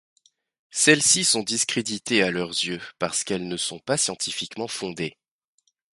Celles-ci sont discréditées à leurs yeux, parce qu’elles ne sont pas scientifiquement fondées.